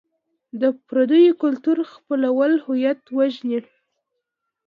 د پردیو کلتور خپلول هویت وژني.